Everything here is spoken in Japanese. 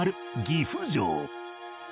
岐阜城